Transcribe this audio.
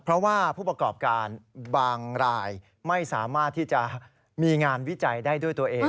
เพราะว่าผู้ประกอบการบางรายไม่สามารถที่จะมีงานวิจัยได้ด้วยตัวเอง